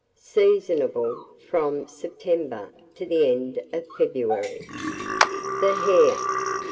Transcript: Seasonable from September to the end of February. THE HARE.